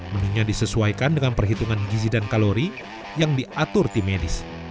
menunya disesuaikan dengan perhitungan gizi dan kalori yang diatur tim medis